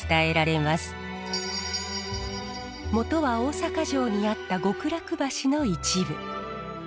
元は大坂城にあった極楽橋の一部。